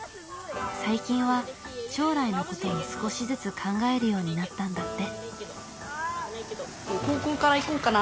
最近は将来のことを少しずつ考えるようになったんだって。